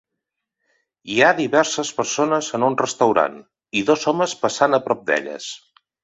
Hi ha diverses persones en un restaurant i dos homes passant a prop d'elles